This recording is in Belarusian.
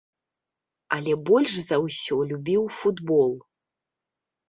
Але больш за ўсё любіў футбол.